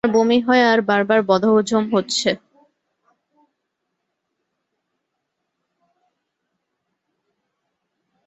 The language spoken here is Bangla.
আমার বমি হয় আর বারবার বদহজম হচ্ছে।